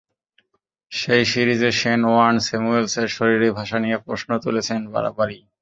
সেই সিরিজে Shane Warne স্যামুয়েলসের শরীরী ভাষা নিয়ে প্রশ্ন তুলে গেছেন বারবারই।